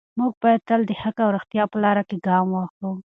موږ باید تل د حق او ریښتیا په لاره کې ګام واخلو.